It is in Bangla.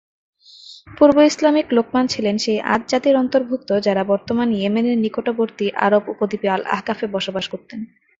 পূর্ব-ইসলামিক লোকমান ছিলেন সেই আদ জাতির অন্তর্ভুক্ত যারা বর্তমান ইয়েমেনের নিকটবর্তী আরব উপদ্বীপে আল-আহকাফে বাস করতেন।